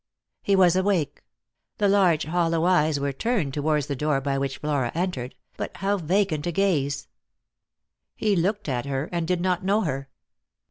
He was awake ; the large hollow eyes were turned towards the door by which Flora entered, but with how vacant a gaze J He looked at her, and did not know her.